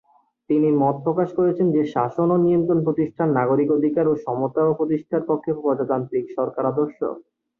তিনি মত প্রকাশ করেছেন যে শাসন ও নিয়ন্ত্রণ প্রতিষ্ঠার, নাগরিক অধিকার ও সমতা প্রতিষ্ঠার পক্ষে প্রজাতান্ত্রিক সরকার আদর্শ।